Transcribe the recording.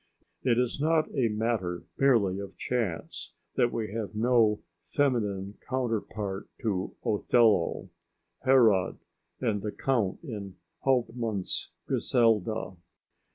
It is not a matter merely of chance that we have no feminine counterpart to Othello, Herod and the Count in Hauptmann's "Griselda."